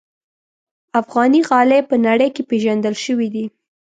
افغان غالۍ په نړۍ کې پېژندل شوي دي.